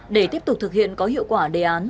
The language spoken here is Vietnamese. để tiếp tục thực hiện có hiệu quả đề án